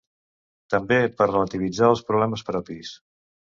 També per relativitzar els problemes propis.